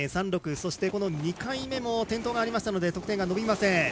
そして２回目も転倒がありましたので得点が伸びません。